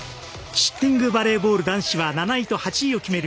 シッティングバレーボール男子は７位と８位を決める